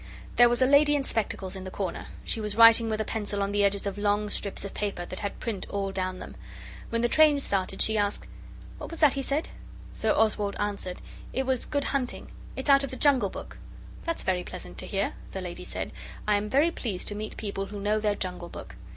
There was a lady in spectacles in the corner. She was writing with a pencil on the edges of long strips of paper that had print all down them. When the train started she asked 'What was that he said?' So Oswald answered 'It was "Good hunting" it's out of the Jungle Book!' 'That's very pleasant to hear,' the lady said; 'I am very pleased to meet people who know their Jungle Book.